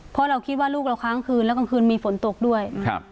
เพราะเราคิดว่าลูกเราค้างคืนแล้วกลางคืนมีฝนตกด้วย